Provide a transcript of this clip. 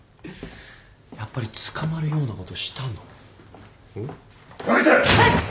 やっぱり捕まるようなことしたの？